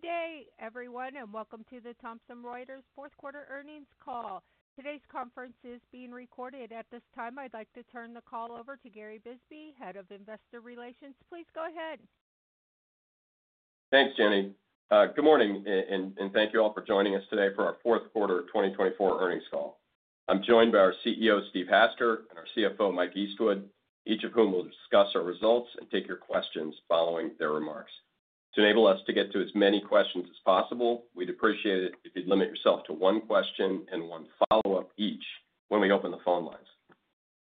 Good day, everyone, and welcome to the Thomson Reuters Fourth Quarter Earnings Call. Today's conference is being recorded. At this time, I'd like to turn the call over to Gary Bisbee, Head of Investor Relations. Please go ahead. Thanks, Jenny. Good morning, and thank you all for joining us today for our Fourth Quarter 2024 Earnings Call. I'm joined by our CEO, Steve Hasker, and our CFO, Mike Eastwood, each of whom will discuss our results and take your questions following their remarks. To enable us to get to as many questions as possible, we'd appreciate it if you'd limit yourself to one question and one follow-up each when we open the phone lines.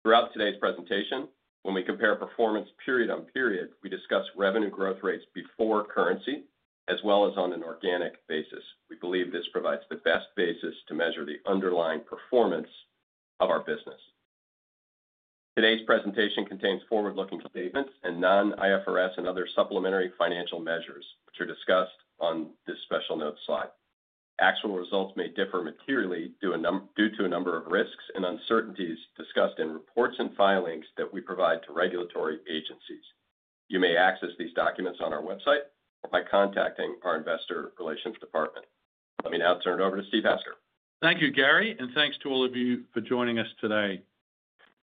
Throughout today's presentation, when we compare performance period on period, we discuss revenue growth rates before currency as well as on an organic basis. We believe this provides the best basis to measure the underlying performance of our business. Today's presentation contains forward-looking statements and non-IFRS and other supplementary financial measures, which are discussed on this special notes slide. Actual results may differ materially due to a number of risks and uncertainties discussed in reports and filings that we provide to regulatory agencies. You may access these documents on our website or by contacting our Investor Relations Department. Let me now turn it over to Steve Hasker. Thank you, Gary, and thanks to all of you for joining us today.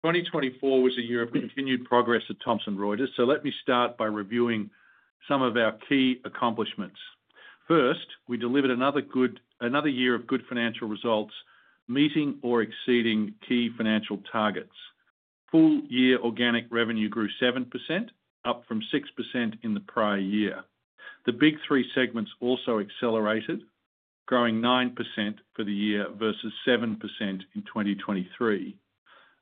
2024 was a year of continued progress at Thomson Reuters, so let me start by reviewing some of our key accomplishments. First, we delivered another year of good financial results, meeting or exceeding key financial targets. Full-year organic revenue grew 7%, up from 6% in the prior year. The Big Three segments also accelerated, growing 9% for the year versus 7% in 2023.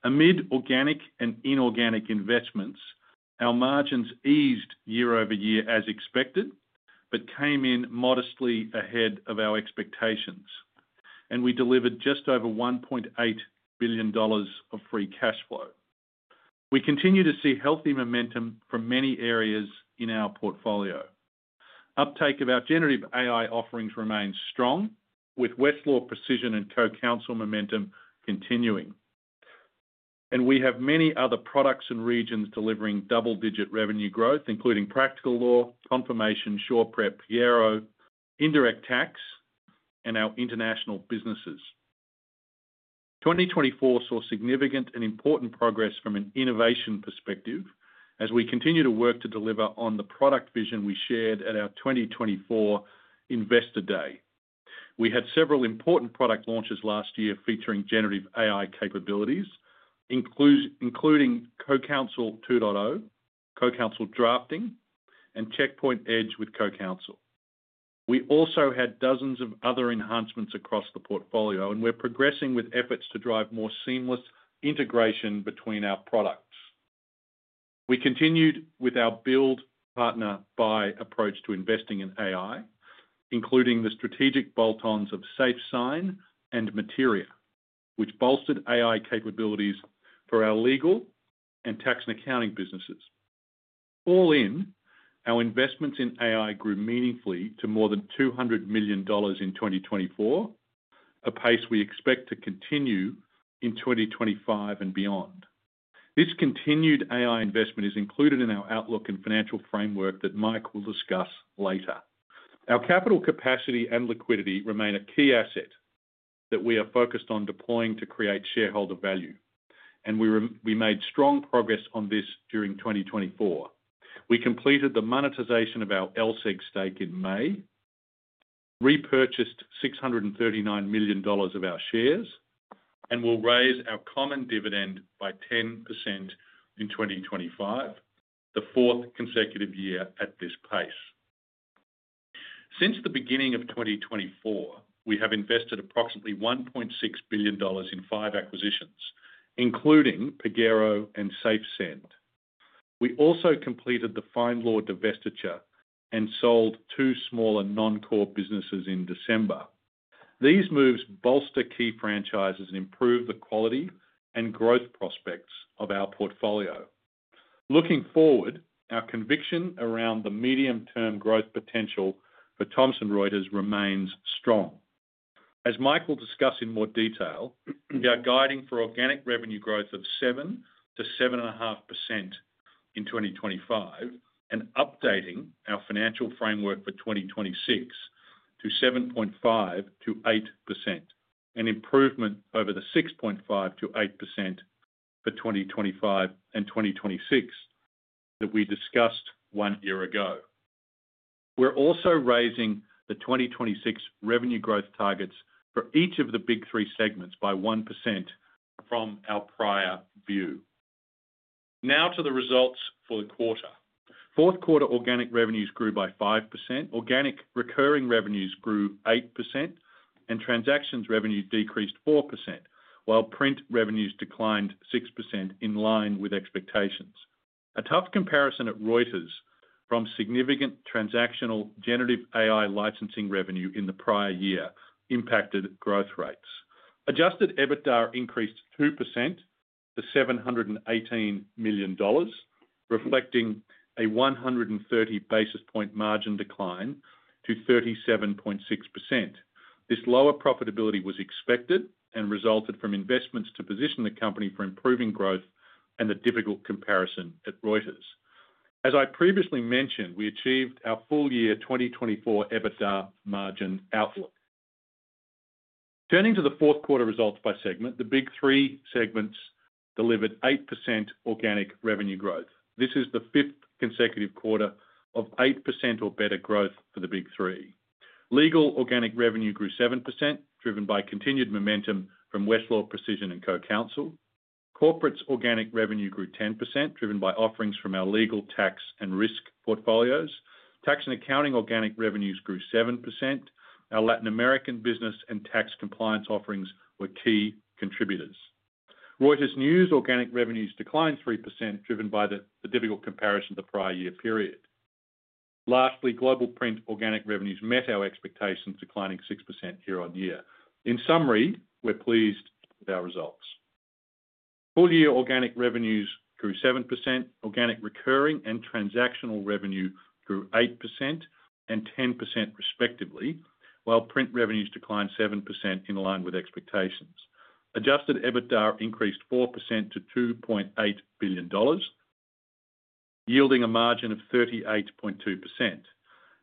Amid organic and inorganic investments, our margins eased year-over-year as expected but came in modestly ahead of our expectations, and we delivered just over $1.8 billion of free cash flow. We continue to see healthy momentum from many areas in our portfolio. Uptake of our generative AI offerings remains strong, with Westlaw Precision and Co-Counsel momentum continuing. We have many other products and regions delivering double-digit revenue growth, including Practical Law, Confirmation, SurePrep, Pagero, Indirect Tax, and our international businesses. 2024 saw significant and important progress from an innovation perspective as we continue to work to deliver on the product vision we shared at our 2024 Investor Day. We had several important product launches last year featuring generative AI capabilities, including Co-Counsel 2.0, Co-Counsel Drafting, and Checkpoint Edge with Co-Counsel. We also had dozens of other enhancements across the portfolio, and we're progressing with efforts to drive more seamless integration between our products. We continued with our build-partner-buy approach to investing in AI, including the strategic bolt-ons of SafeSend and Materia, which bolstered AI capabilities for our legal and Tax & Accounting businesses. All in, our investments in AI grew meaningfully to more than $200 million in 2024, a pace we expect to continue in 2025 and beyond. This continued AI investment is included in our outlook and financial framework that Mike will discuss later. Our capital capacity and liquidity remain a key asset that we are focused on deploying to create shareholder value, and we made strong progress on this during 2024. We completed the monetization of our LSEG stake in May, repurchased $639 million of our shares, and will raise our common dividend by 10% in 2025, the fourth consecutive year at this pace. Since the beginning of 2024, we have invested approximately $1.6 billion in five acquisitions, including Pagero and SafeSend. We also completed the FindLaw divestiture and sold two smaller non-core businesses in December. These moves bolster key franchises and improve the quality and growth prospects of our portfolio. Looking forward, our conviction around the medium-term growth potential for Thomson Reuters remains strong. As Mike will discuss in more detail, we are guiding for organic revenue growth of 7%-7.5% in 2025 and updating our financial framework for 2026 to 7.5%-8%, an improvement over the 6.5%-8% for 2025 and 2026 that we discussed one year ago. We're also raising the 2026 revenue growth targets for each of the big three segments by 1% from our prior view. Now to the results for the quarter. Fourth quarter organic revenues grew by 5%, organic recurring revenues grew 8%, and transactions revenue decreased 4%, while print revenues declined 6% in line with expectations. A tough comparison at Reuters from significant transactional generative AI licensing revenue in the prior year impacted growth rates. Adjusted EBITDA increased 2% to $718 million, reflecting a 130 basis point margin decline to 37.6%. This lower profitability was expected and resulted from investments to position the company for improving growth and the difficult comparison at Reuters. As I previously mentioned, we achieved our full-year 2024 EBITDA margin outlook. Turning to the fourth quarter results by segment, the Big Three segments delivered 8% organic revenue growth. This is the fifth consecutive quarter of 8% or better growth for the Big Three. Legal organic revenue grew 7%, driven by continued momentum from Westlaw Precision and Co-Counsel. Corporate organic revenue grew 10%, driven by offerings from our legal, tax, and risk portfolios. Tax & Accounting organic revenues grew 7%. Our Latin American business and tax compliance offerings were key contributors. Reuters News organic revenues declined 3%, driven by the difficult comparison of the prior year period. Lastly, Global Print organic revenues met our expectations, declining 6% year on year. In summary, we're pleased with our results. Full-year organic revenues grew 7%. Organic recurring and transactional revenue grew 8% and 10% respectively, while print revenues declined 7% in line with expectations. Adjusted EBITDA increased 4% to $2.8 billion, yielding a margin of 38.2%,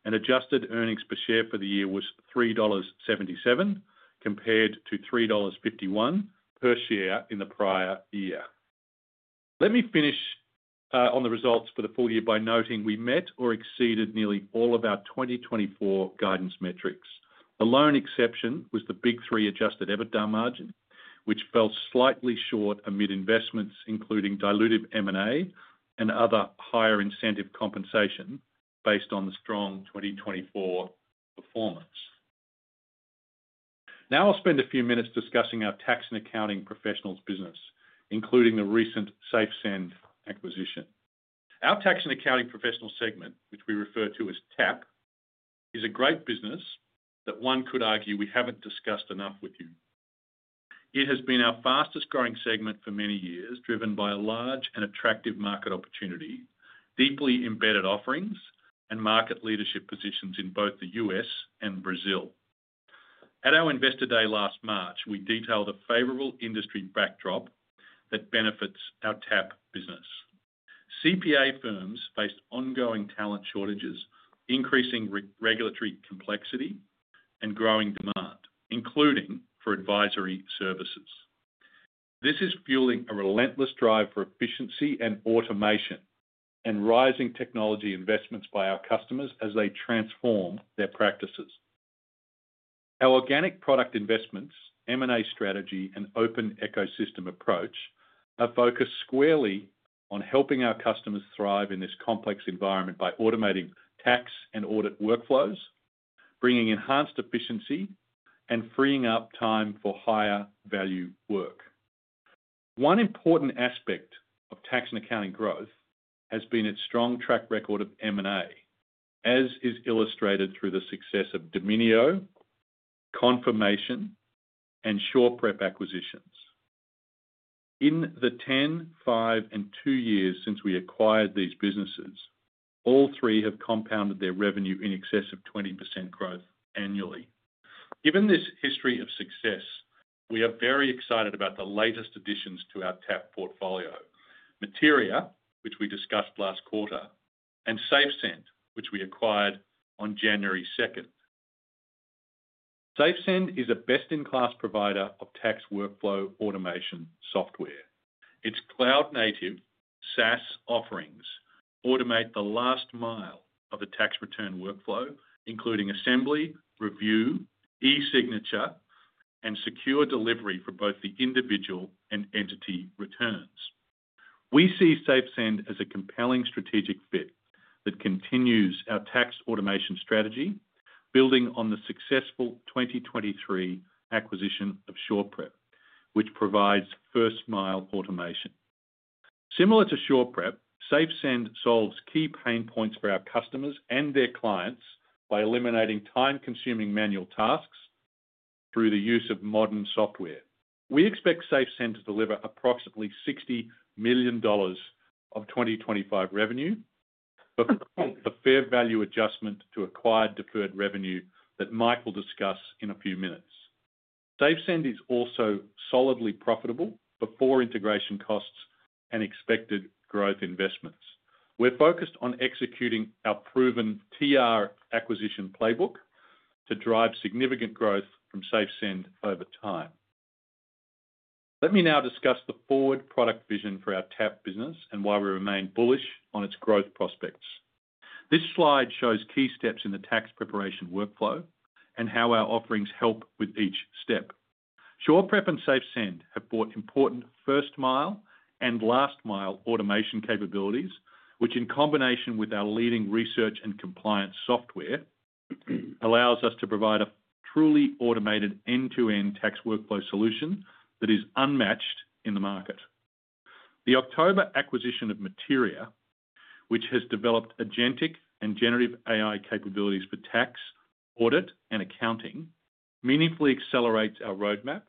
and adjusted earnings per share for the year was $3.77, compared to $3.51 per share in the prior year. Let me finish on the results for the full year by noting we met or exceeded nearly all of our 2024 guidance metrics. The lone exception was the big three adjusted EBITDA margin, which fell slightly short amid investments, including dilutive M&A and other higher incentive compensation based on the strong 2024 performance. Now I'll spend a few minutes discussing our Tax & Accounting Professionals business, including the recent SafeSend acquisition. Our Tax & Accounting Professionals segment, which we refer to as TAP, is a great business that one could argue we haven't discussed enough with you. It has been our fastest-growing segment for many years, driven by a large and attractive market opportunity, deeply embedded offerings, and market leadership positions in both the U.S. and Brazil. At our Investor Day last March, we detailed a favorable industry backdrop that benefits our TAP business. CPA firms faced ongoing talent shortages, increasing regulatory complexity, and growing demand, including for advisory services. This is fueling a relentless drive for efficiency and automation and rising technology investments by our customers as they transform their practices. Our organic product investments, M&A strategy, and open ecosystem approach are focused squarely on helping our customers thrive in this complex environment by automating tax and audit workflows, bringing enhanced efficiency, and freeing up time for higher value work. One important aspect of Tax & Accounting growth has been its strong track record of M&A, as is illustrated through the success of Domínio, Confirmation, and SurePrep acquisitions. In the 10, five, and two years since we acquired these businesses, all three have compounded their revenue in excess of 20% growth annually. Given this history of success, we are very excited about the latest additions to our TAP portfolio: Materia, which we discussed last quarter, and SafeSend, which we acquired on January 2nd. SafeSend is a best-in-class provider of tax workflow automation software. Its cloud-native SaaS offerings automate the last mile of a tax return workflow, including assembly, review, e-signature, and secure delivery for both the individual and entity returns. We see SafeSend as a compelling strategic fit that continues our tax automation strategy, building on the successful 2023 acquisition of SurePrep, which provides first-mile automation. Similar to SurePrep, SafeSend solves key pain points for our customers and their clients by eliminating time-consuming manual tasks through the use of modern software. We expect SafeSend to deliver approximately $60 million of 2025 revenue before the fair value adjustment to acquired deferred revenue that Mike will discuss in a few minutes. SafeSend is also solidly profitable before integration costs and expected growth investments. We're focused on executing our proven TR acquisition playbook to drive significant growth from SafeSend over time. Let me now discuss the forward product vision for our TAP business and why we remain bullish on its growth prospects. This slide shows key steps in the tax preparation workflow and how our offerings help with each step. SurePrep and SafeSend have brought important first-mile and last-mile automation capabilities, which, in combination with our leading research and compliance software, allows us to provide a truly automated end-to-end tax workflow solution that is unmatched in the market. The October acquisition of Materia, which has developed agentic and generative AI capabilities for tax, audit, and accounting, meaningfully accelerates our roadmap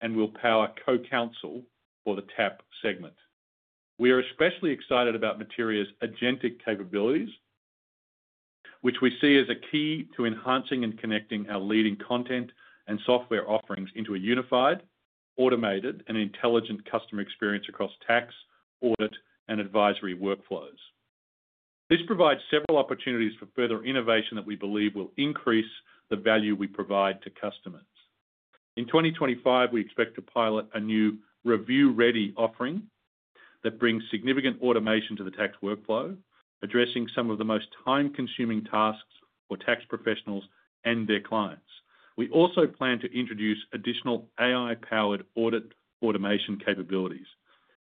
and will power Co-Counsel for the TAP segment. We are especially excited about Materia's agentic capabilities, which we see as a key to enhancing and connecting our leading content and software offerings into a unified, automated, and intelligent customer experience across tax, audit, and advisory workflows. This provides several opportunities for further innovation that we believe will increase the value we provide to customers. In 2025, we expect to pilot a new review-ready offering that brings significant automation to the tax workflow, addressing some of the most time-consuming tasks for Tax Professionals and their clients. We also plan to introduce additional AI-powered audit automation capabilities,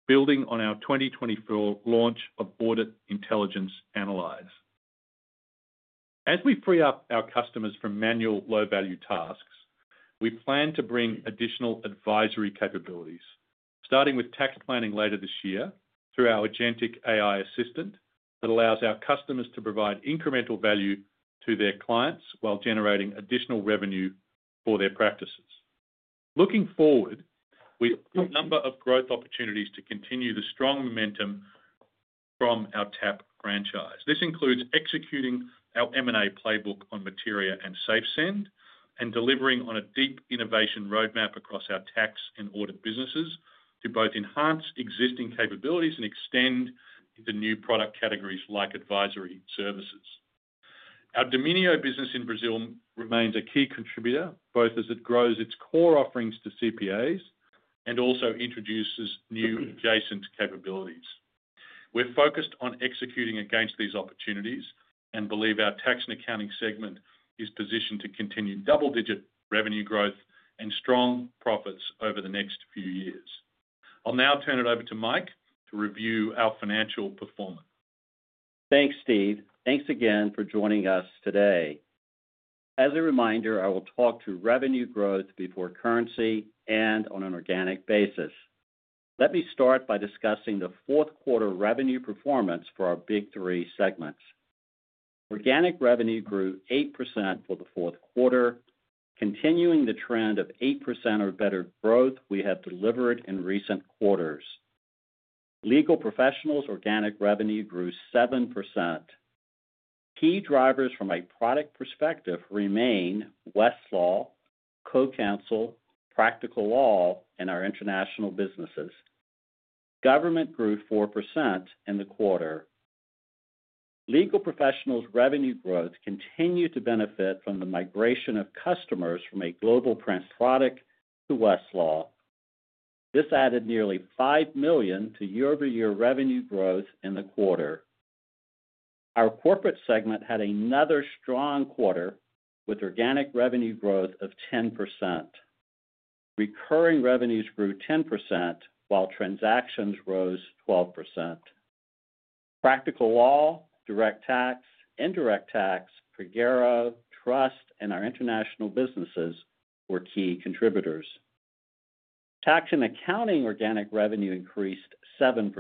building on our 2024 launch of Audit Intelligence Analyze. As we free up our customers from manual low-value tasks, we plan to bring additional advisory capabilities, starting with tax planning later this year through our agentic AI assistant that allows our customers to provide incremental value to their clients while generating additional revenue for their practices. Looking forward, we have a number of growth opportunities to continue the strong momentum from our TAP franchise. This includes executing our M&A playbook on Materia and SafeSend and delivering on a deep innovation roadmap across our tax and audit businesses to both enhance existing capabilities and extend into new product categories like advisory services. Our Domínio business in Brazil remains a key contributor, both as it grows its core offerings to CPAs and also introduces new adjacent capabilities. We're focused on executing against these opportunities and believe our tax and accounting segment is positioned to continue double-digit revenue growth and strong profits over the next few years. I'll now turn it over to Mike to review our financial performance. Thanks, Steve. Thanks again for joining us today. As a reminder, I will talk to revenue growth before currency and on an organic basis. Let me start by discussing the fourth quarter revenue performance for our big three segments. Organic revenue grew 8% for the fourth quarter, continuing the trend of 8% or better growth we have delivered in recent quarters. Legal Professionals organic revenue grew 7%. Key drivers from a product perspective remain Westlaw, Co-Counsel, Practical Law, and our international businesses. Government grew 4% in the quarter. Legal Professionals revenue growth continued to benefit from the migration of customers from a Global Print product to Westlaw. This added nearly $5 million to year-over-year revenue growth in the quarter. Our corporate segment had another strong quarter with organic revenue growth of 10%. Recurring revenues grew 10% while transactions rose 12%. Practical Law, Direct Tax, Indirect Tax, Pagero, Trust, and our international businesses were key contributors. Tax & Accounting organic revenue increased 7%.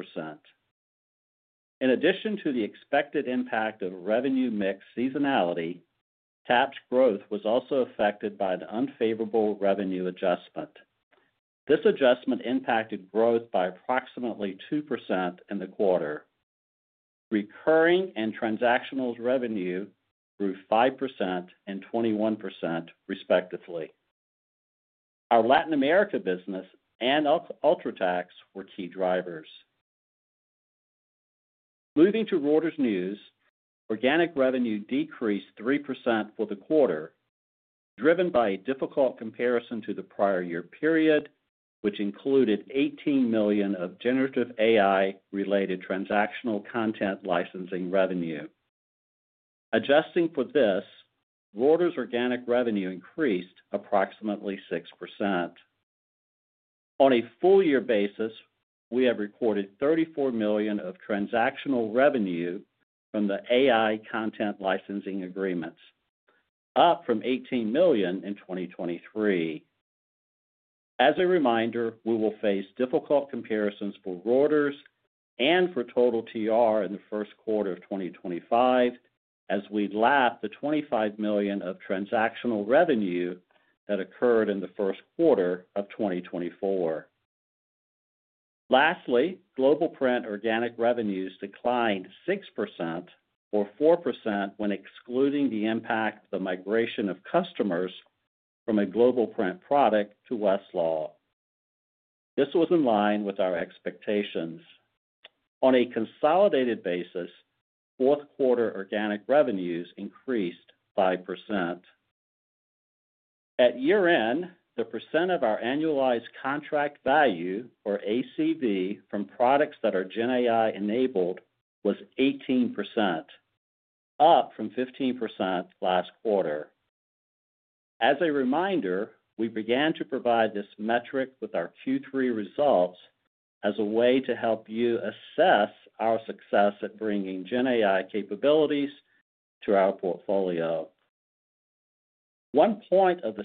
In addition to the expected impact of revenue mix seasonality, tax growth was also affected by the unfavorable revenue adjustment. This adjustment impacted growth by approximately 2% in the quarter. Recurring and transactional revenue grew 5% and 21%, respectively. Our Latin America business and UltraTax were key drivers. Moving to Reuters News, organic revenue decreased 3% for the quarter, driven by a difficult comparison to the prior year period, which included $18 million of generative AI-related transactional content licensing revenue. Adjusting for this, Reuters' organic revenue increased approximately 6%. On a full-year basis, we have recorded $34 million of transactional revenue from the AI content licensing agreements, up from $18 million in 2023. As a reminder, we will face difficult comparisons for Reuters and for total TR in the first quarter of 2025 as we lap the $25 million of transactional revenue that occurred in the first quarter of 2024. Lastly, Global Print organic revenues declined 6% or 4% when excluding the impact of the migration of customers from a Global Print product to Westlaw. This was in line with our expectations. On a consolidated basis, fourth quarter organic revenues increased 5%. At year-end, the percent of our annualized contract value, or ACV, from products that are GenAI-enabled was 18%, up from 15% last quarter. As a reminder, we began to provide this metric with our Q3 results as a way to help you assess our success at bringing GenAI capabilities to our portfolio. One point of the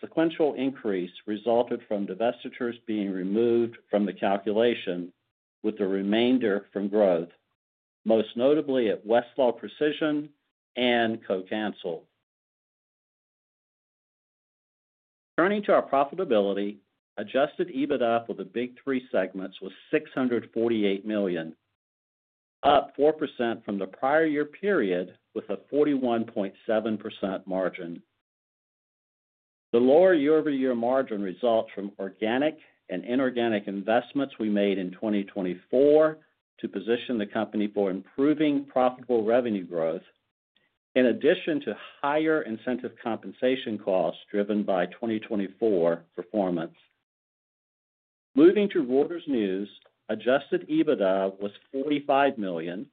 sequential increase resulted from divestitures being removed from the calculation, with the remainder from growth, most notably at Westlaw Precision and Co-Counsel. Turning to our profitability, Adjusted EBITDA for the Big Three segments was 648 million, up 4% from the prior year period with a 41.7% margin. The lower year-over-year margin results from organic and inorganic investments we made in 2024 to position the company for improving profitable revenue growth, in addition to higher incentive compensation costs driven by 2024 performance. Moving to Reuters News, adjusted EBITDA was $45 million,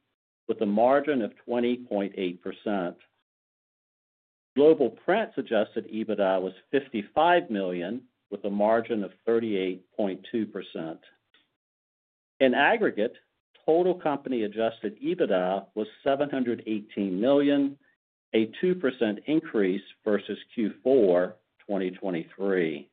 with a margin of 20.8%. Global Print's adjusted EBITDA was $55 million, with a margin of 38.2%. In aggregate, total company adjusted EBITDA was $718 million, a 2% increase versus Q4 2023.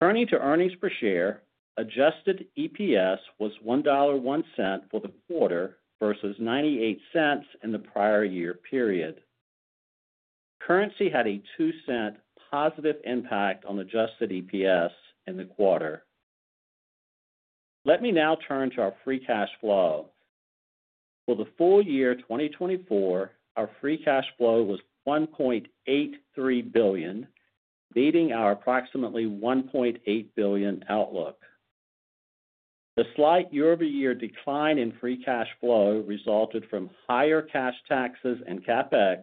Turning to earnings per share, adjusted EPS was $1.01 for the quarter versus $0.98 in the prior year period. Currency had a $0.02 positive impact on adjusted EPS in the quarter. Let me now turn to our free cash flow. For the full year 2024, our free cash flow was $1.83 billion, beating our approximately $1.8 billion outlook. The slight year-over-year decline in free cash flow resulted from higher cash taxes and CapEx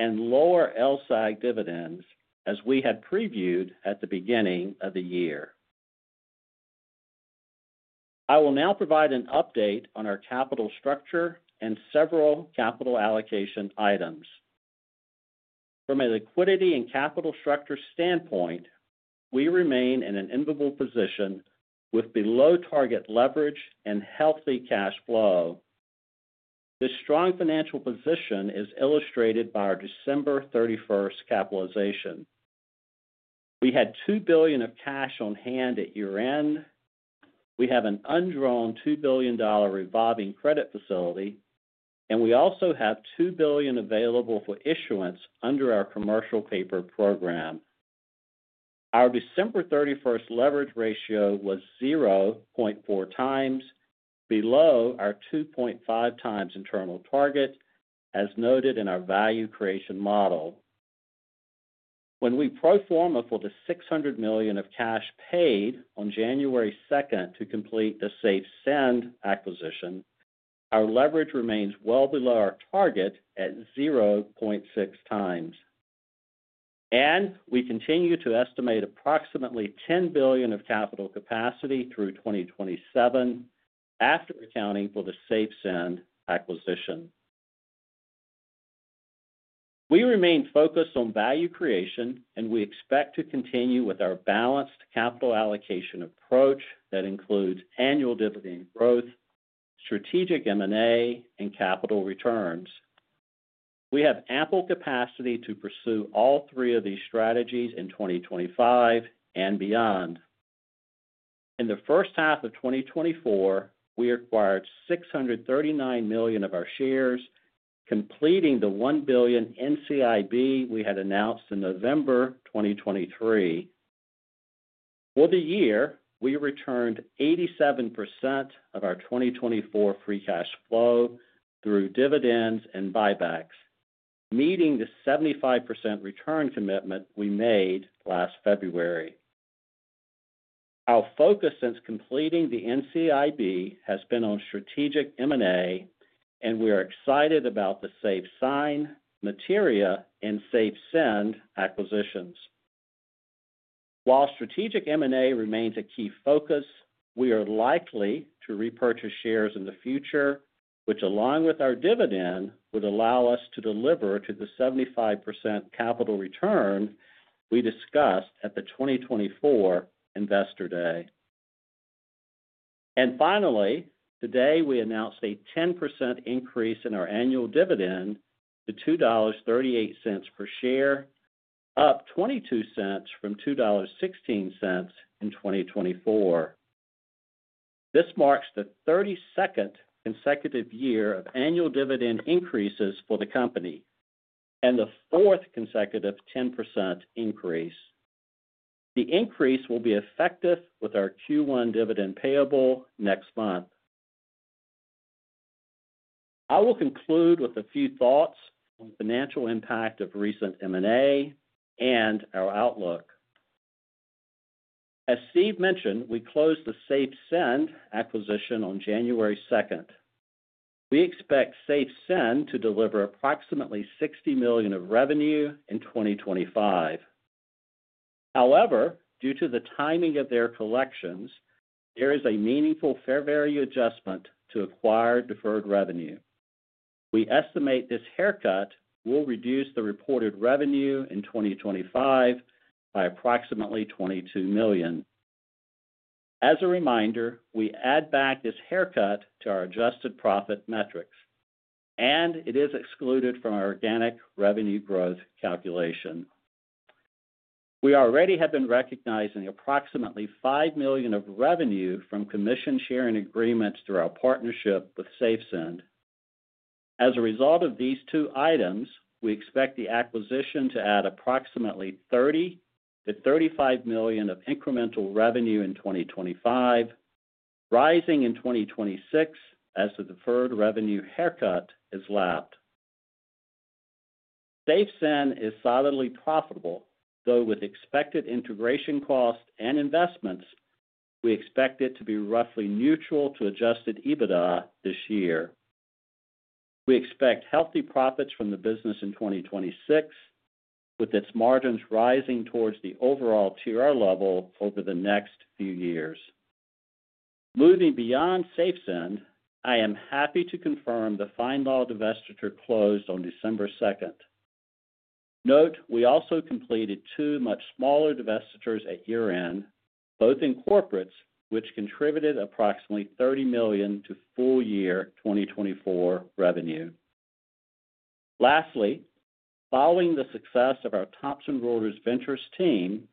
and lower LSEG dividends, as we had previewed at the beginning of the year. I will now provide an update on our capital structure and several capital allocation items. From a liquidity and capital structure standpoint, we remain in an invulnerable position with below-target leverage and healthy cash flow. This strong financial position is illustrated by our December 31st capitalization. We had $2 billion of cash on hand at year-end. We have an undrawn $2 billion revolving credit facility, and we also have $2 billion available for issuance under our commercial paper program. Our December 31st leverage ratio was 0.4 times, below our 2.5 times internal target, as noted in our value creation model. When we pro-forma for the $600 million of cash paid on January 2nd to complete the SafeSend acquisition, our leverage remains well below our target at 0.6 times, and we continue to estimate approximately $10 billion of capital capacity through 2027, after accounting for the SafeSend acquisition. We remain focused on value creation, and we expect to continue with our balanced capital allocation approach that includes annual dividend growth, strategic M&A, and capital returns. We have ample capacity to pursue all three of these strategies in 2025 and beyond. In the first half of 2024, we acquired 639 million of our shares, completing the $1 billion NCIB we had announced in November 2023. For the year, we returned 87% of our 2024 free cash flow through dividends and buybacks, meeting the 75% return commitment we made last February. Our focus since completing the NCIB has been on strategic M&A, and we are excited about the Pagero, Materia, and SafeSend acquisitions. While strategic M&A remains a key focus, we are likely to repurchase shares in the future, which, along with our dividend, would allow us to deliver to the 75% capital return we discussed at the 2024 Investor Day, and finally, today we announced a 10% increase in our annual dividend to $2.38 per share, up $0.22 from $2.16 in 2024. This marks the 32nd consecutive year of annual dividend increases for the company and the fourth consecutive 10% increase. The increase will be effective with our Q1 dividend payable next month. I will conclude with a few thoughts on the financial impact of recent M&A and our outlook. As Steve mentioned, we closed the SafeSend acquisition on January 2nd. We expect SafeSend to deliver approximately $60 million of revenue in 2025. However, due to the timing of their collections, there is a meaningful fair value adjustment to acquired deferred revenue. We estimate this haircut will reduce the reported revenue in 2025 by approximately $22 million. As a reminder, we add back this haircut to our adjusted profit metrics, and it is excluded from our organic revenue growth calculation. We already have been recognizing approximately $5 million of revenue from commission-sharing agreements through our partnership with SafeSend. As a result of these two items, we expect the acquisition to add approximately $30-$35 million of incremental revenue in 2025, rising in 2026 as the deferred revenue haircut is lapped. SafeSend is solidly profitable, though with expected integration costs and investments, we expect it to be roughly neutral to Adjusted EBITDA this year. We expect healthy profits from the business in 2026, with its margins rising towards the overall TR level over the next few years. Moving beyond SafeSend, I am happy to confirm the FindLaw divestiture closed on December 2nd. Note, we also completed two much smaller divestitures at year-end, both in Corporates, which contributed approximately $30 million to full-year 2024 revenue. Lastly, following the success of our Thomson Reuters Ventures team,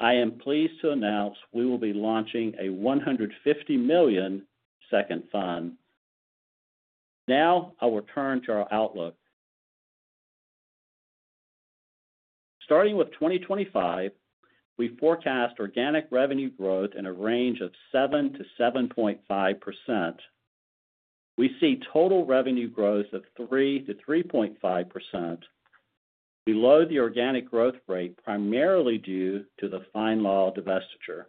I am pleased to announce we will be launching a $150 million second fund. Now I will turn to our outlook. Starting with 2025, we forecast organic revenue growth in a range of 7-7.5%. We see total revenue growth of 3-3.5%. We lower the organic growth rate primarily due to the FindLaw divestiture.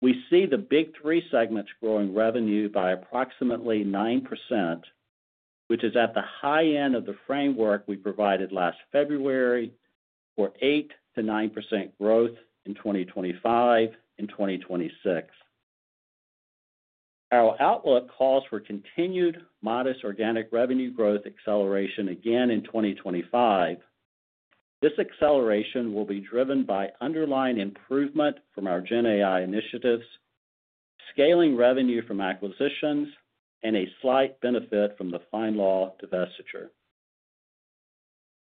We see the Big Three segments growing revenue by approximately 9%, which is at the high end of the framework we provided last February for 8%-9% growth in 2025 and 2026. Our outlook calls for continued modest organic revenue growth acceleration again in 2025. This acceleration will be driven by underlying improvement from our GenAI initiatives, scaling revenue from acquisitions, and a slight benefit from the FindLaw divestiture.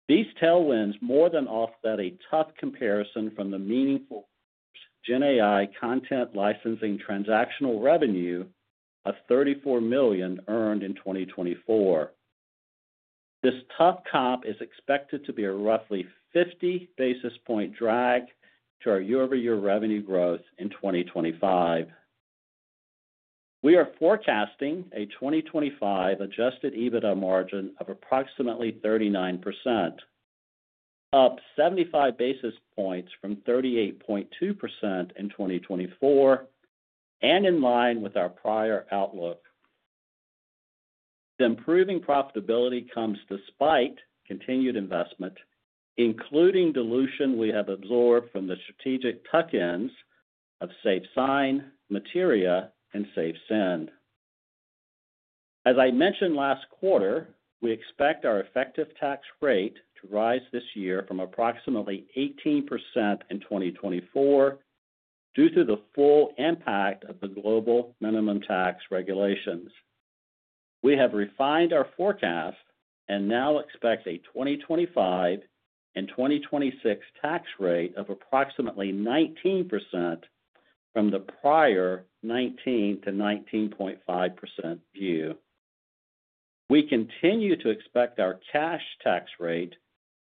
These tailwinds more than offset a tough comparison from the meaningful GenAI content licensing transactional revenue of $34 million earned in 2024. This tough comp is expected to be a roughly 50 basis points drag to our year-over-year revenue growth in 2025. We are forecasting a 2025 Adjusted EBITDA margin of approximately 39%, up 75 basis points from 38.2% in 2024, and in line with our prior outlook. The improving profitability comes despite continued investment, including dilution we have absorbed from the strategic tuck-ins of SurePrep, Materia, and SafeSend. As I mentioned last quarter, we expect our effective tax rate to rise this year from approximately 18% in 2024 due to the full impact of the global minimum tax regulations. We have refined our forecast and now expect a 2025 and 2026 tax rate of approximately 19% from the prior 19%-19.5% view. We continue to expect our cash tax rate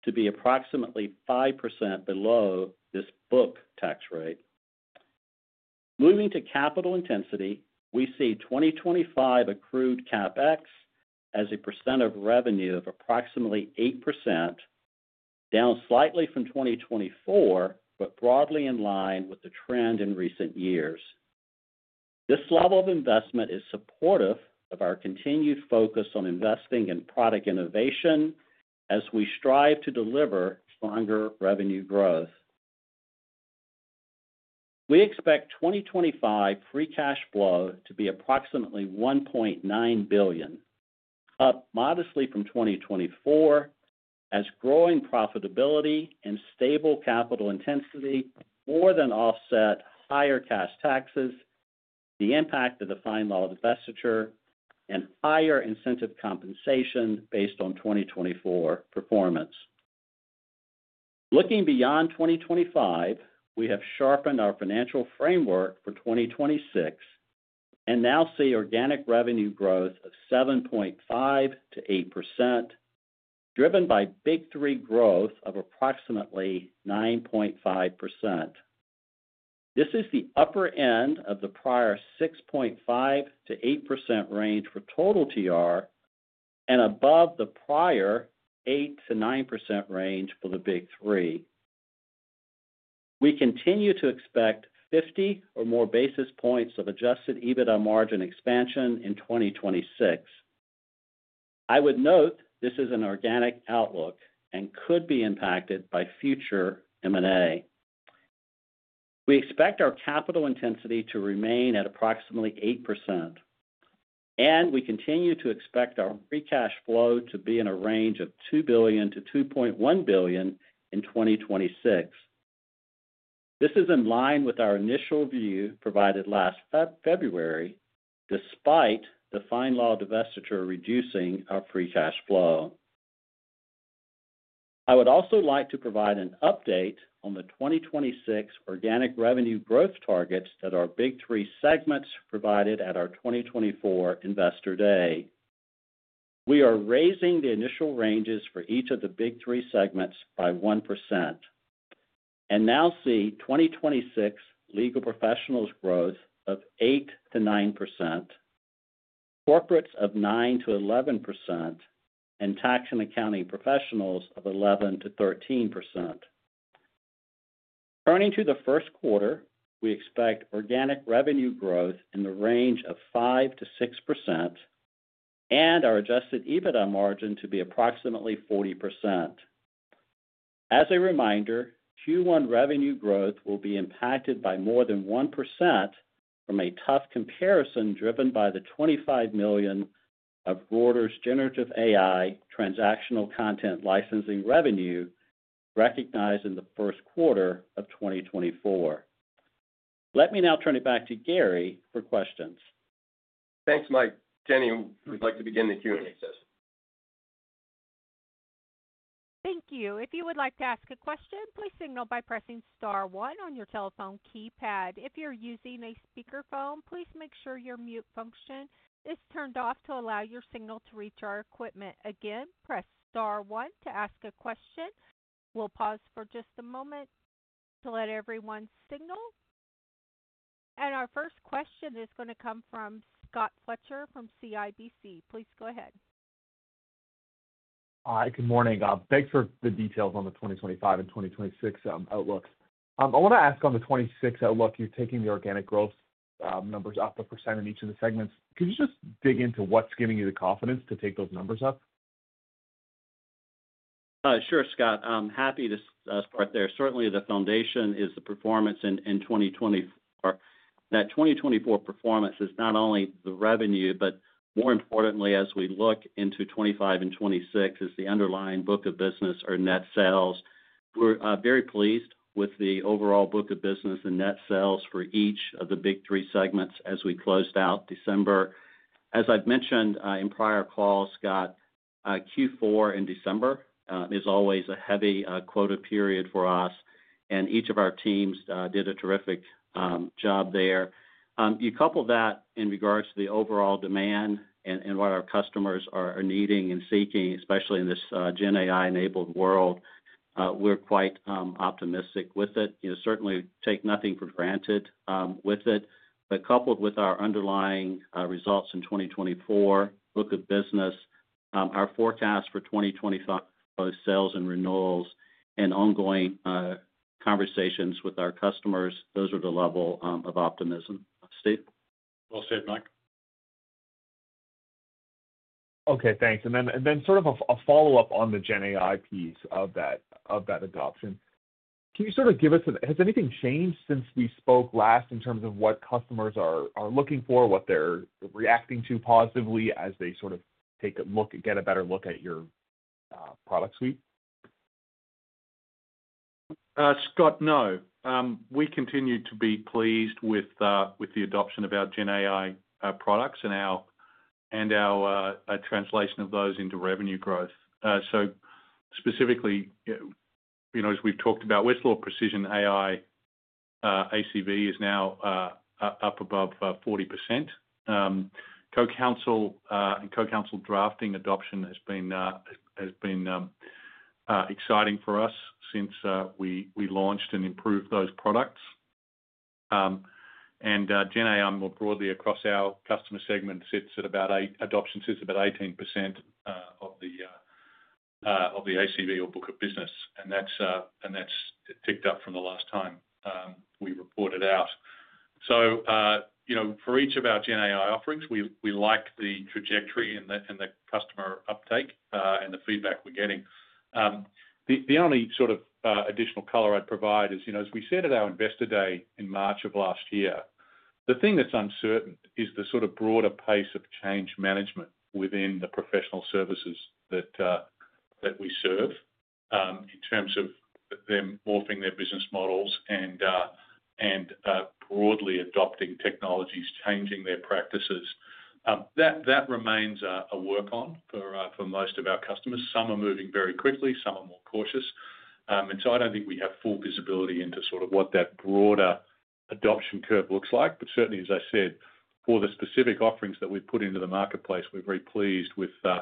to be approximately 5% below this book tax rate. Moving to capital intensity, we see 2025 accrued CapEx as a percent of revenue of approximately 8%, down slightly from 2024, but broadly in line with the trend in recent years. This level of investment is supportive of our continued focus on investing in product innovation as we strive to deliver stronger revenue growth. We expect 2025 free cash flow to be approximately $1.9 billion, up modestly from 2024, as growing profitability and stable capital intensity more than offset higher cash taxes, the impact of the FindLaw divestiture, and higher incentive compensation based on 2024 performance. Looking beyond 2025, we have sharpened our financial framework for 2026 and now see organic revenue growth of 7.5%-8%, driven by Big Three growth of approximately 9.5%. This is the upper end of the prior 6.5%-8% range for total TR and above the prior 8%-9% range for the big three. We continue to expect 50 or more basis points of Adjusted EBITDA margin expansion in 2026. I would note this is an organic outlook and could be impacted by future M&A. We expect our capital intensity to remain at approximately 8%, and we continue to expect our free cash flow to be in a range of $2 billion-$2.1 billion in 2026. This is in line with our initial view provided last February, despite the FindLaw divestiture reducing our free cash flow. I would also like to provide an update on the 2026 organic revenue growth targets that our Big Three segments provided at our 2024 Investor Day. We are raising the initial ranges for each of the Big Three segments by 1% and now see 2026 legal professionals growth of 8%-9%, corporates of 9%-11%, and Tax & Accounting Professionals of 11%-13%. Turning to the first quarter, we expect organic revenue growth in the range of 5%-6% and our adjusted EBITDA margin to be approximately 40%. As a reminder, Q1 revenue growth will be impacted by more than 1% from a tough comparison driven by the $25 million of Reuters generative AI transactional content licensing revenue recognized in the first quarter of 2024. Let me now turn it back to Gary for questions. Thanks, Mike. Jenny, we'd like to begin the Q&A session. Thank you. If you would like to ask a question, please signal by pressing star one on your telephone keypad. If you're using a speakerphone, please make sure your mute function is turned off to allow your signal to reach our equipment. Again, press star one to ask a question. We'll pause for just a moment to let everyone signal. Our first question is going to come from Scott Fletcher from CIBC. Please go ahead. Hi, good morning. Thanks for the details on the 2025 and 2026 outlooks. I want to ask on the 2026 outlook. You're taking the organic growth numbers up a percent in each of the segments. Could you just dig into what's giving you the confidence to take those numbers up? Sure, Scott. I'm happy to start there. Certainly, the foundation is the performance in 2024. That 2024 performance is not only the revenue, but more importantly, as we look into 2025 and 2026, is the underlying book of business or net sales. We're very pleased with the overall book of business and net sales for each of the Big Three segments as we closed out December. As I've mentioned in prior calls, Scott, Q4 in December is always a heavy quota period for us, and each of our teams did a terrific job there. You couple that in regards to the overall demand and what our customers are needing and seeking, especially in this GenAI-enabled world, we're quite optimistic with it. Certainly, take nothing for granted with it. But coupled with our underlying results in 2024, book of business, our forecast for 2025, both sales and renewals, and ongoing conversations with our customers, those are the level of optimism. Steve? Well said, Mike. Okay, thanks, and then sort of a follow-up on the GenAI piece of that adoption. Can you sort of give us a, has anything changed since we spoke last in terms of what customers are looking for, what they're reacting to positively as they sort of take a look, get a better look at your product suite? Scott, no. We continue to be pleased with the adoption of our GenAI products and our translation of those into revenue growth. So specifically, as we've talked about, Westlaw Precision AI ACV is now up above 40%. Co-Counsel and Co-Counsel Drafting adoption has been exciting for us since we launched and improved those products. And GenAI, more broadly across our customer segment, adoption sits at about 18% of the ACV or book of business, and that's ticked up from the last time we reported out. So for each of our GenAI offerings, we like the trajectory and the customer uptake and the feedback we're getting. The only sort of additional color I'd provide is, as we said at our investor day in March of last year, the thing that's uncertain is the sort of broader pace of change management within the professional services that we serve in terms of them morphing their business models and broadly adopting technologies, changing their practices. That remains a work on for most of our customers. Some are moving very quickly. Some are more cautious. And so I don't think we have full visibility into sort of what that broader adoption curve looks like. But certainly, as I said, for the specific offerings that we've put into the marketplace, we're very pleased with the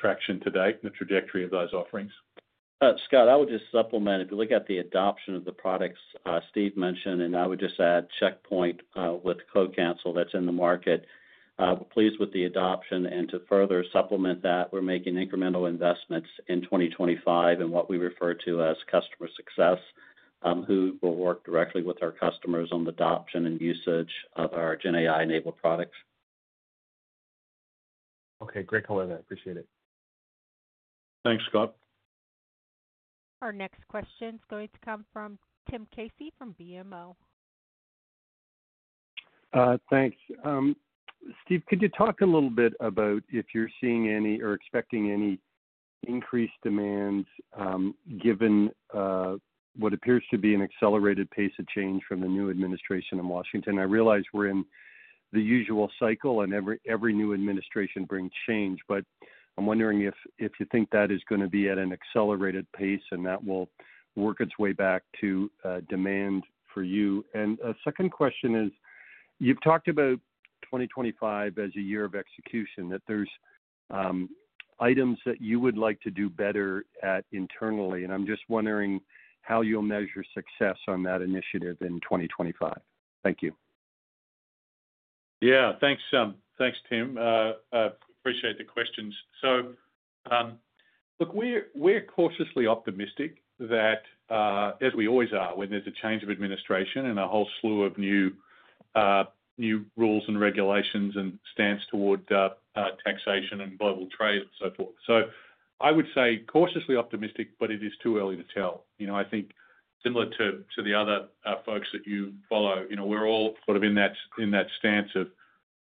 traction to date and the trajectory of those offerings. Scott, I would just supplement. If you look at the adoption of the products Steve mentioned, and I would just add Checkpoint with Co-Counsel that's in the market, we're pleased with the adoption. And to further supplement that, we're making incremental investments in 2025 in what we refer to as customer success, who will work directly with our customers on the adoption and usage of our GenAI-enabled products. Okay, great color there. I appreciate it. Thanks, Scott. Our next question is going to come from Tim Casey from BMO. Thanks. Steve, could you talk a little bit about if you're seeing any or expecting any increased demands given what appears to be an accelerated pace of change from the new administration in Washington? I realize we're in the usual cycle, and every new administration brings change, but I'm wondering if you think that is going to be at an accelerated pace and that will work its way back to demand for you, and a second question is, you've talked about 2025 as a year of execution, that there's items that you would like to do better at internally, and I'm just wondering how you'll measure success on that initiative in 2025. Thank you. Yeah, thanks, Tim. Appreciate the questions. So look, we're cautiously optimistic that, as we always are, when there's a change of administration and a whole slew of new rules and regulations and stance toward taxation and global trade and so forth. So I would say cautiously optimistic, but it is too early to tell. I think similar to the other folks that you follow, we're all sort of in that stance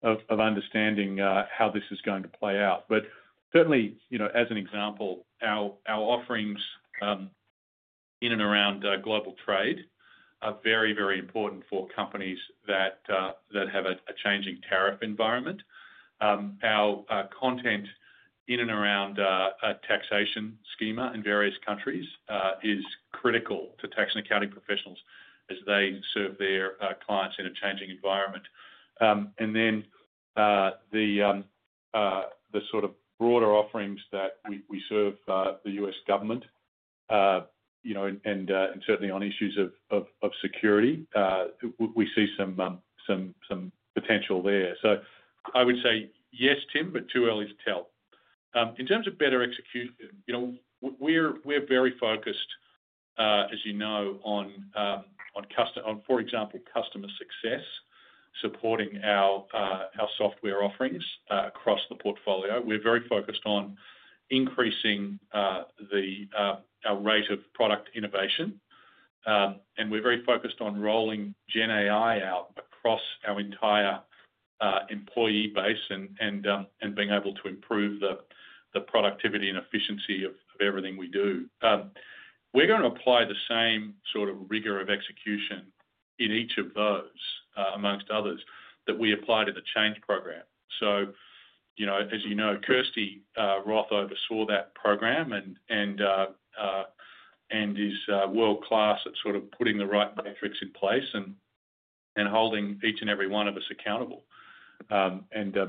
of understanding how this is going to play out. But certainly, as an example, our offerings in and around global trade are very, very important for companies that have a changing tariff environment. Our content in and around taxation schema in various countries is critical to tax and accounting professionals as they serve their clients in a changing environment. And then the sort of broader offerings that we serve the U.S. government and certainly on issues of security, we see some potential there. I would say yes, Tim, but too early to tell. In terms of better execution, we're very focused, as you know, on, for example, customer success, supporting our software offerings across the portfolio. We're very focused on increasing our rate of product innovation, and we're very focused on rolling GenAI out across our entire employee base and being able to improve the productivity and efficiency of everything we do. We're going to apply the same sort of rigor of execution in each of those, amongst others, that we apply to the change program. So as you know, Kirsty Roth oversaw that program and is world-class at sort of putting the right metrics in place and holding each and every one of us accountable.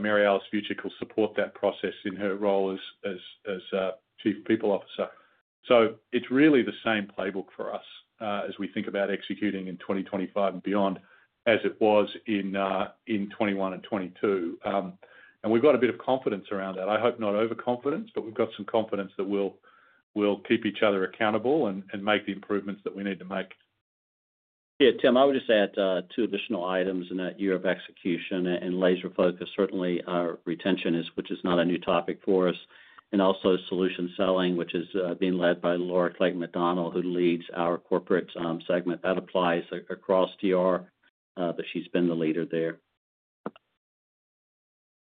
Mary Alice Vuicic will support that process in her role as Chief People Officer. So it's really the same playbook for us as we think about executing in 2025 and beyond, as it was in 2021 and 2022. And we've got a bit of confidence around that. I hope not overconfidence, but we've got some confidence that we'll keep each other accountable and make the improvements that we need to make. Yeah, Tim, I would just add two additional items in that year of execution and laser focus. Certainly, retention, which is not a new topic for us, and also solution selling, which is being led by Laura Clayton McDonnell, who leads our corporate segment. That applies across TR, but she's been the leader there.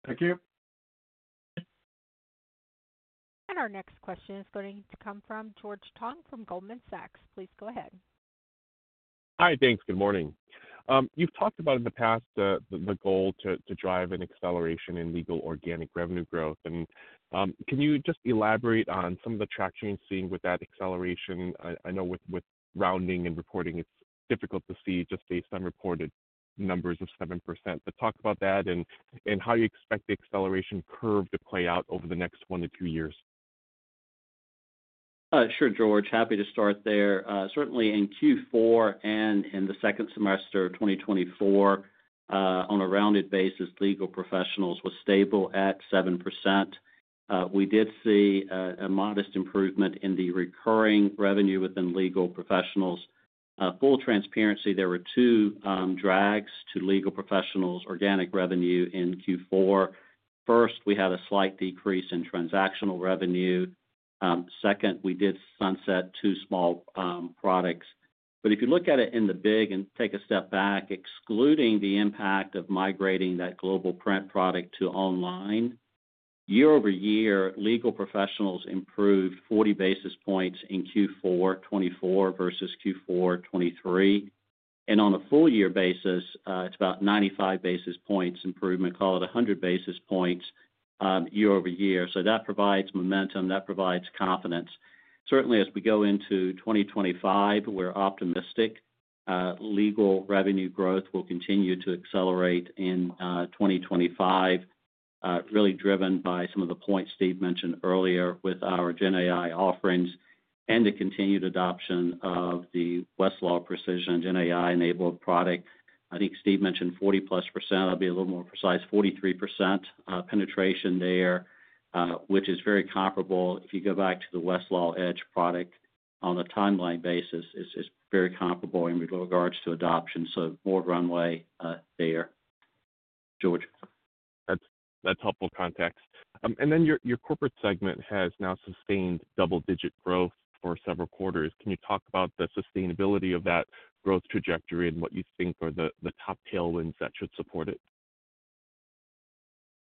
Thank you. And our next question is going to come from George Tong from Goldman Sachs. Please go ahead. Hi, thanks. Good morning. You've talked about in the past the goal to drive an acceleration in legal organic revenue growth, and can you just elaborate on some of the traction you're seeing with that acceleration? I know with rounding and reporting, it's difficult to see just based on reported numbers of 7%, but talk about that and how you expect the acceleration curve to play out over the next one to two years. Sure, George. Happy to start there. Certainly, in Q4 and in the second semester of 2024, on a rounded basis, legal professionals were stable at 7%. We did see a modest improvement in the recurring revenue within legal professionals. Full transparency, there were two drags to legal professionals' organic revenue in Q4. First, we had a slight decrease in transactional revenue. Second, we did sunset two small products. But if you look at it in the big picture and take a step back, excluding the impact of migrating that Global Print product to online, year-over-year, legal professionals improved 40 basis points in Q4 2024 versus Q4 2023. And on a full-year basis, it's about 95 basis points improvement, call it 100 basis points year over year. So that provides momentum. That provides confidence. Certainly, as we go into 2025, we're optimistic legal revenue growth will continue to accelerate in 2025, really driven by some of the points Steve mentioned earlier with our GenAI offerings and the continued adoption of the Westlaw Precision GenAI-enabled product. I think Steve mentioned 40-plus %. I'll be a little more precise, 43% penetration there, which is very comparable. If you go back to the Westlaw Edge product on a timeline basis, it's very comparable in regards to adoption. So more runway there, George. That's helpful context. And then your Corporates segment has now sustained double-digit growth for several quarters. Can you talk about the sustainability of that growth trajectory and what you think are the top tailwinds that should support it?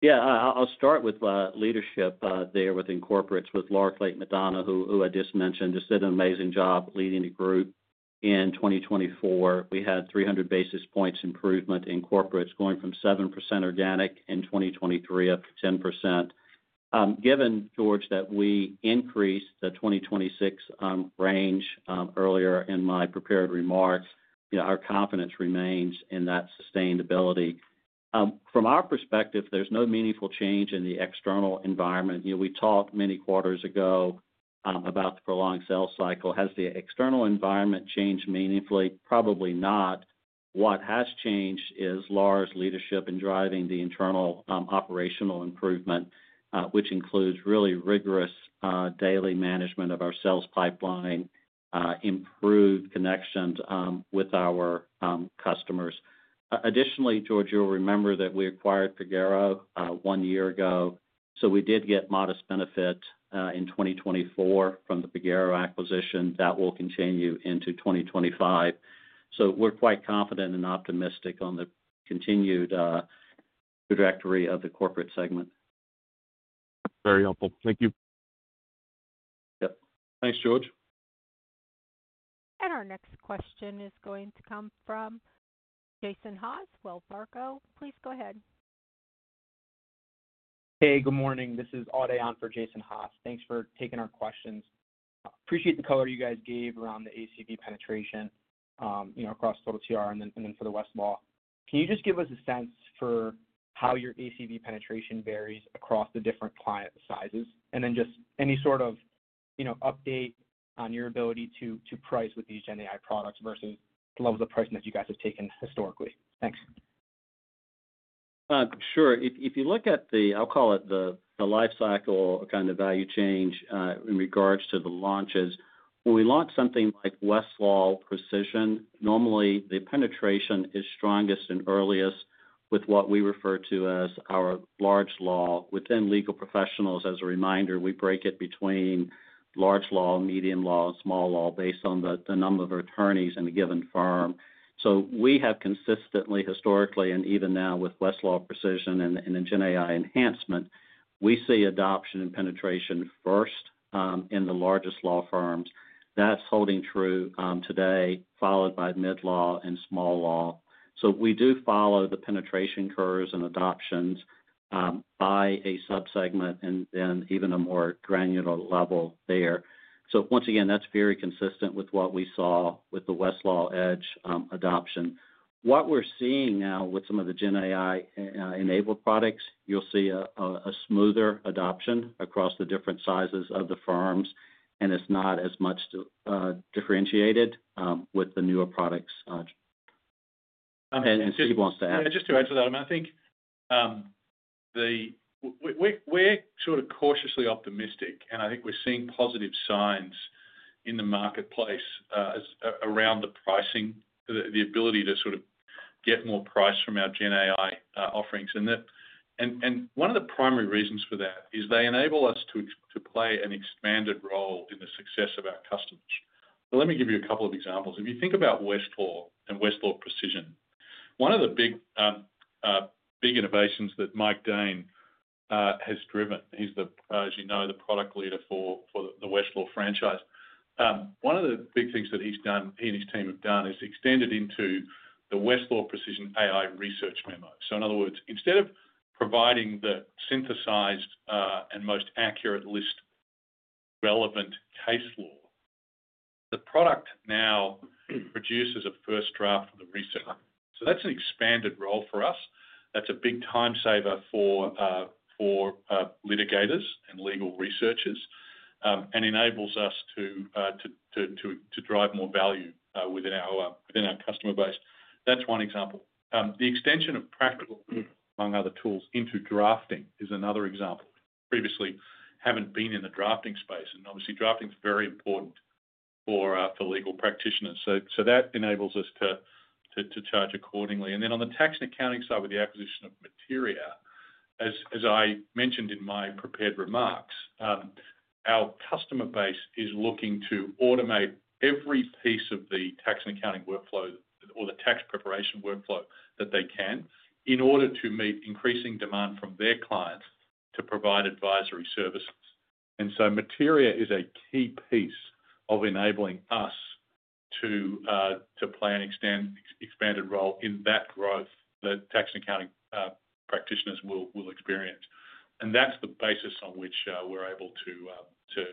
Yeah, I'll start with leadership there within Corporates with Laura Clayton McDonnell, who I just mentioned, just did an amazing job leading the group in 2024. We had 300 basis points improvement in Corporates, going from 7% organic in 2023 up to 10%. Given, George, that we increased the 2026 range earlier in my prepared remarks, our confidence remains in that sustainability. From our perspective, there's no meaningful change in the external environment. We talked many quarters ago about the prolonged sales cycle. Has the external environment changed meaningfully? Probably not. What has changed is Laura's leadership in driving the internal operational improvement, which includes really rigorous daily management of our sales pipeline, improved connections with our customers. Additionally, George, you'll remember that we acquired Pagero one year ago. So we did get modest benefit in 2024 from the Pagero acquisition that will continue into 2025. So we're quite confident and optimistic on the continued trajectory of the corporate segment. Very helpful. Thank you. Yep. Thanks, George. And our next question is going to come from Jason Haas, Wells Fargo. Please go ahead. Hey, good morning. This is Udayan for Jason Haas. Thanks for taking our questions. Appreciate the color you guys gave around the ACV penetration across total TR and then for Westlaw. Can you just give us a sense for how your ACV penetration varies across the different client sizes? And then just any sort of update on your ability to price with these GenAI products versus the levels of pricing that you guys have taken historically. Thanks. Sure. If you look at the, I'll call it the lifecycle kind of value change in regards to the launches, when we launch something like Westlaw Precision, normally the penetration is strongest and earliest with what we refer to as our large law. Within legal professionals, as a reminder, we break it between large law, medium law, and small law based on the number of attorneys in a given firm. So we have consistently, historically, and even now with Westlaw Precision and GenAI enhancement, we see adoption and penetration first in the largest law firms. That's holding true today, followed by mid-law and small law. So we do follow the penetration curves and adoptions by a subsegment and then even a more granular level there. So once again, that's very consistent with what we saw with the Westlaw Edge adoption. What we're seeing now with some of the GenAI-enabled products, you'll see a smoother adoption across the different sizes of the firms, and it's not as much differentiated with the newer products. And Steve wants to add. Yeah, just to add to that, I mean, I think we're sort of cautiously optimistic, and I think we're seeing positive signs in the marketplace around the pricing, the ability to sort of get more price from our GenAI offerings. And one of the primary reasons for that is they enable us to play an expanded role in the success of our customers. So let me give you a couple of examples. If you think about Westlaw and Westlaw Precision, one of the big innovations that Mike Dahn has driven, he's the, as you know, the product leader for the Westlaw franchise. One of the big things that he's done, he and his team have done, is extended into the Westlaw Precision AI research memo. So in other words, instead of providing the synthesized and most accurate list relevant case law, the product now produces a first draft for the research. So that's an expanded role for us. That's a big time saver for litigators and legal researchers and enables us to drive more value within our customer base. That's one example. The extension of Practical Law, among other tools, into drafting is another example. Previously, haven't been in the drafting space, and obviously, drafting is very important for legal practitioners. So that enables us to charge accordingly. And then on the Tax & Accounting side with the acquisition of Materia, as I mentioned in my prepared remarks, our customer base is looking to automate every piece of the tax and accounting workflow or the tax preparation workflow that they can in order to meet increasing demand from their clients to provide advisory services. And so Materia is a key piece of enabling us to play an expanded role in that growth that Tax & Accounting practitioners will experience. And that's the basis on which we're able to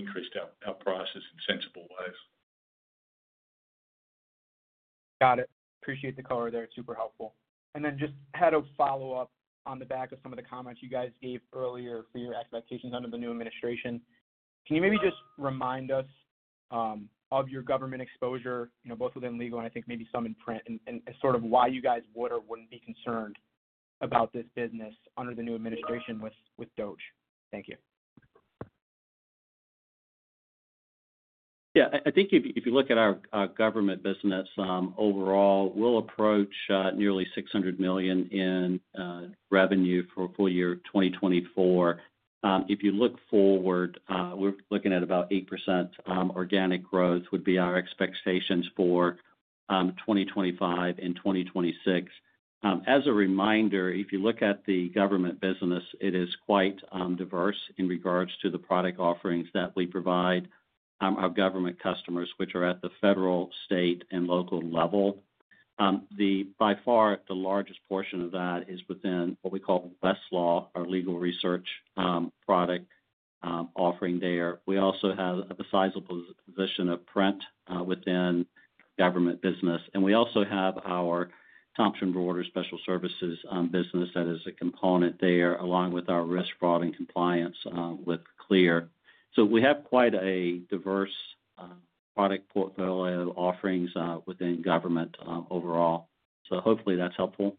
increase our prices in sensible ways. Got it. Appreciate the color there. Super helpful. And then just had a follow-up on the back of some of the comments you guys gave earlier for your expectations under the new administration. Can you maybe just remind us of your government exposure, both within legal and I think maybe some in print, and sort of why you guys would or wouldn't be concerned about this business under the new administration with DOGE? Thank you. Yeah. I think if you look at our government business overall, we'll approach nearly $600 million in revenue for full year 2024. If you look forward, we're looking at about 8% organic growth would be our expectations for 2025 and 2026. As a reminder, if you look at the government business, it is quite diverse in regards to the product offerings that we provide our government customers, which are at the federal, state, and local level. By far, the largest portion of that is within what we call Westlaw, our legal research product offering there. We also have a sizable position of print within government business. And we also have our Thomson Reuters Special Services business that is a component there, along with our risk fraud and compliance with Clear. So we have quite a diverse product portfolio of offerings within government overall. So hopefully, that's helpful.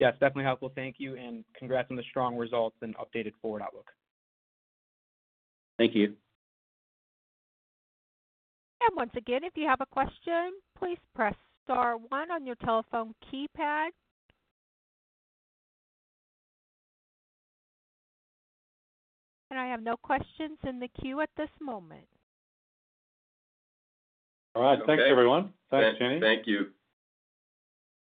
Yes, definitely helpful. Thank you. And congrats on the strong results and updated forward outlook. Thank you. And once again, if you have a question, please press star one on your telephone keypad. And I have no questions in the queue at this moment. All right. Thanks, everyone. Thanks, Jenny. Thank you.